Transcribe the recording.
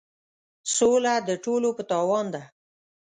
سوله د ټولو په تاوان ده.